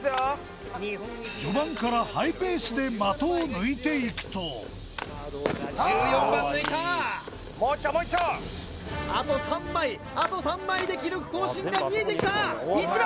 序盤からハイペースで的を抜いていくとさあどうだ１４番抜いたあと３枚あと３枚で記録更新が見えてきた１番！